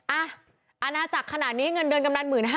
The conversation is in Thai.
อาณาจักรขนาดนี้เงินเดือนกำนัน๑๕๐๐